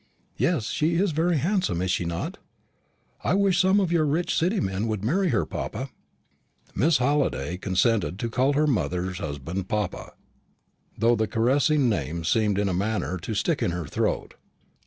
"Yes, she is very handsome, is she not? I wish some of your rich City men would marry her, papa." Miss Halliday consented to call her mother's husband "papa," though the caressing name seemed in a manner to stick in her throat.